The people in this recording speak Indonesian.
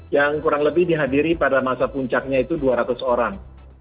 yang kurang lebih dihadiri pada masa puncaknya itu dua ratus orang